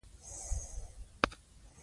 سره هندوانه روښانه ده.